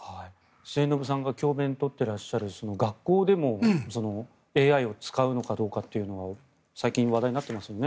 末延さんが教べんを執っていらっしゃる学校でもＡＩを使うのかどうかというのは最近、話題になっていますよね。